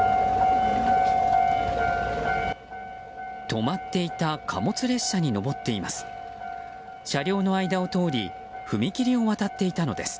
止まっていた貨物列車に登っています。